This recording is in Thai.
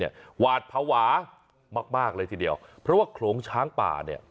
หวาดภาวะมากมากเลยทีเดียวเพราะว่าโขลงช้างป่าเนี่ย